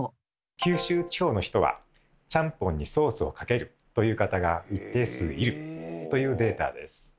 九州地方の人はちゃんぽんにソースをかけるという方が一定数いるというデータです。